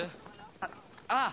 あっああ